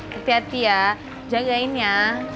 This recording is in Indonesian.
kaya jagain ya